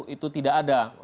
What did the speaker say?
itu tidak ada